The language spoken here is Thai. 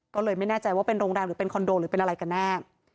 ก็เลยไม่แน่ใจว่าเป็นโรงแรมหรือเป็นคอนโดหรือเป็นอะไรกันแน่